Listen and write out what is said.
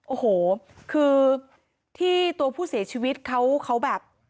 โอ้โหคือที่ตัวผู้เสียชีวิตเขาแบบ